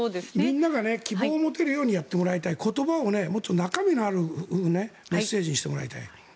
みんなが希望を持てるようにやってもらいたい言葉をもっと中身のあるメッセージにしてもらいたい。